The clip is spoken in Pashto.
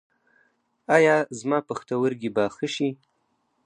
ایا زما پښتورګي به ښه شي؟